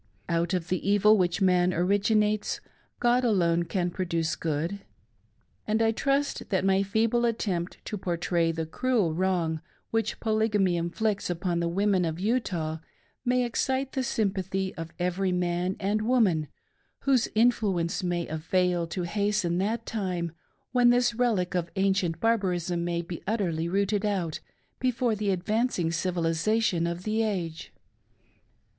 Out of the evil which man originates, God alone can produce good; and I trust that my feeble attempt to portray the cruel wrong which Polygamy inflicts upon the Women of Utah may excite the sympathy of every man and woman whose influence may avail to hasten that time when this relic of ancient barbarism may be utterly rooted out before the advancing civilisation of the age.